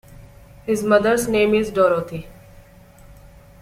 His mother's name is Dorothi.